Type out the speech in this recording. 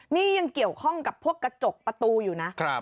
นี่ยังเกี่ยวข้องกับพวกกระจกประตูอยู่นะ